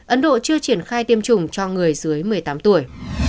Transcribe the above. ấn độ chưa triển khai tiêm chủng cho người dưới một mươi tám tuổi